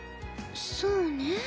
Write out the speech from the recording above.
そうね。